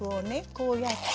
こうやって。